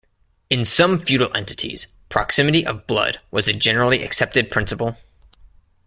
In some feudal entities, proximity of blood was a generally accepted principle.